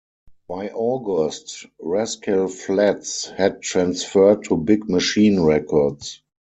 By August, Rascal Flatts had transferred to Big Machine Records.